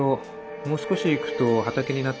もう少し行くと畑になってますね。